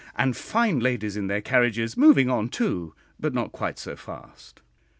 The fine ladies in their carriages moving on too but not quite so fast.